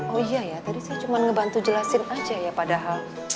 oh iya ya tadi saya cuma ngebantu jelasin aja ya padahal